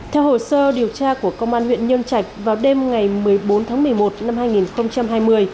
theo hồ sơ điều tra của công an huyện nhân trạch vào đêm ngày một mươi bốn tháng một mươi một năm hai nghìn hai mươi